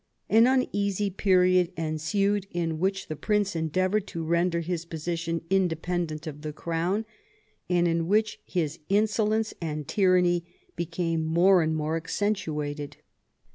An uneasy period ensued in which the prince endeavoured to render his position independent of the crown, and in which his insolence and tyranny became more and more accentuated.